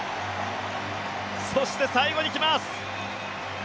そして最後に来ます